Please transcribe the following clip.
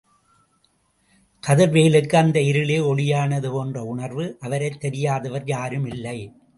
கதிர் வேலுக்கு அந்த இருளே ஒளியானது போன்ற உணர்வு... அவரைத் தெரியாதவர் யாருமில்லை.